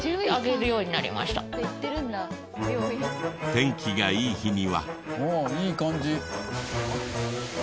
天気がいい日には。